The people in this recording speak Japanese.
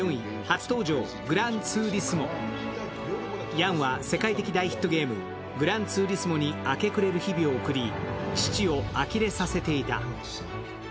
ヤンは世界的大ヒットゲーム、「グランツーリスモ」に明け暮れる日々を送り、父をあきれさせていた。